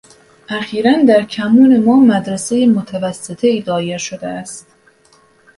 اخیراً در کمون ما مدرسهٔ متوسطه ای دایر شده است.